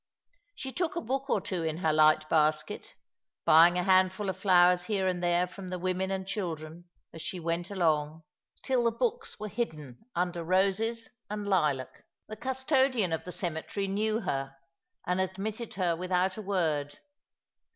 She took a book or two in her light basket, buying a handful of flowers here and there from the women and children as she went along, till the books were hidden under roses and lilac. The custodian of the cemetery knew her, and admitted her without a word.